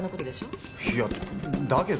いやだけど。